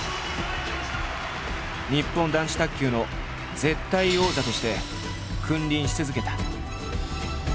日本男子卓球の絶対王者として君臨し続けた。